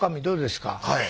どうですか？